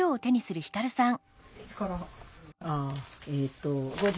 いつから？